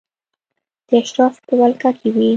د اشرافو په ولکه کې وې.